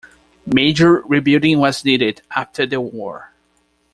Major rebuilding was needed after the war.